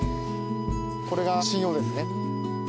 これが稚魚ですね。